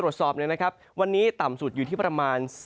วีบนิยม